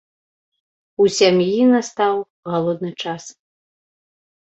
У сям'і настаў галодны час.